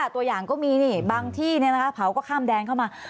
ตัวอย่างก็มีนี่บางที่เผาก็ข้ามแดนเข้ามา